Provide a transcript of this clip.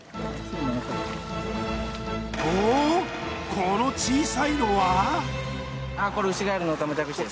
この小さいのは？